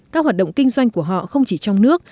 các hoạt động kinh doanh của họ không chỉ trong nước